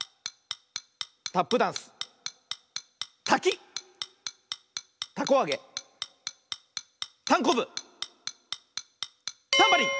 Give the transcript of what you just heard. タップダンスたきたこあげたんこぶタンバリン！